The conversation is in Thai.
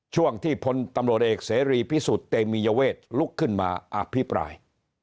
ช่วงที่พลตำรวจเอกเสรีพิสุทธิ์เตมียเวทลุกขึ้นมาอภิปราย